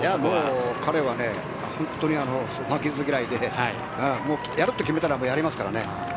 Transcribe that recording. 彼は本当に負けず嫌いでやると決めたらやりますから。